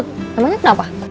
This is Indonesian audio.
tunggu dengan saya dulu yuk